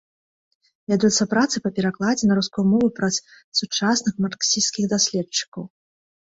Вядуцца працы па перакладзе на рускую мову прац сучасных марксісцкіх даследчыкаў.